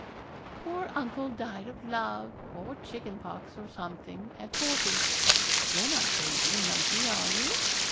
'Poor uncle died of love, or chicken pox, or something, at forty. You're not ailing, Nunkie, are you?